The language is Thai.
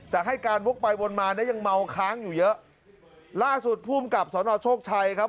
แต่ให้การวกไปวนมานะยังเมาค้างอยู่เยอะล่าสุดภูมิกับสนโชคชัยครับ